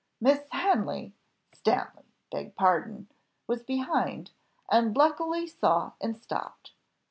Miss Hanley Stanley (beg pardon) was behind, and luckily saw and stopped.